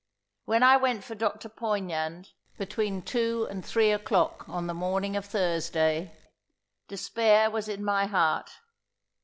When I went for Dr. Poignand, between two and three o'clock on the morning of Thursday, despair was in my heart.